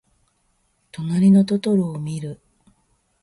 となりのトトロをみる。